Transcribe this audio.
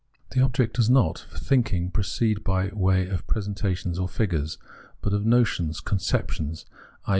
The object does not for thinking proceed by way of presentations or figures, but of notions, conceptions, i.